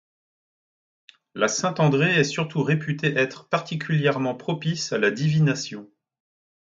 La Saint André est surtout réputée être particulièrement propice à la divination.